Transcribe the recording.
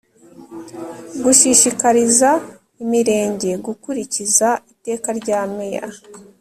Gushishikariza imirenge gukurikiza iteka rya meya